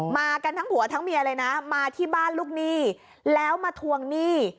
มากันทั้งผัวทั้งเมียเลยนะมาที่บ้านลูกหนี้แล้วมาทวงหนี้